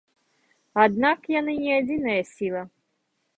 Аднак яны не адзіная сіла.